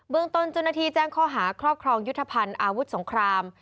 เมืองต้นเจ้าหน้าที่แจ้งข้อหาครอบครองยุทธภัณฑ์อาวุธสงคราม